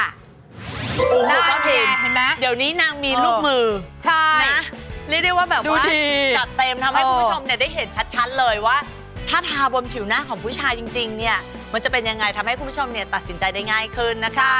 ใช่ค่ะคิดจะเติมทำให้คุณผู้ชมได้เห็นชัดเลยว่าถ้าทาบนผิวหน้าของผู้ชายจริงเนี่ยมันจะเป็นยังไงทำให้คุณผู้ชมเนี่ยตัดสินใจได้ง่ายขึ้นนะคะ